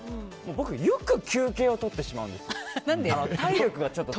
僕、よく休憩をとってしまうんです。